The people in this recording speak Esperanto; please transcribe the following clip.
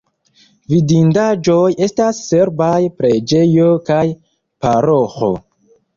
Vidindaĵoj estas serbaj preĝejo kaj paroĥo.